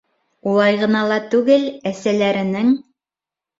Улай ғына ла түгел, әсәләренең: